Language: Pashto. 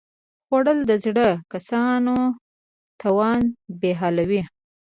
خوړل د زړو کسانو توان بحالوي